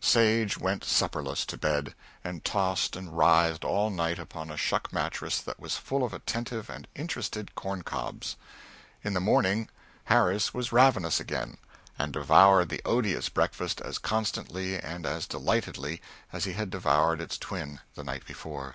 Sage went supperless to bed, and tossed and writhed all night upon a shuck mattress that was full of attentive and interested corn cobs. In the morning Harris was ravenous again, and devoured the odious breakfast as contentedly and as delightedly as he had devoured its twin the night before.